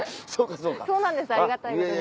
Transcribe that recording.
そうなんですありがたいことに。